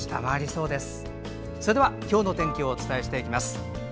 それでは今日の天気をお伝えしていきます。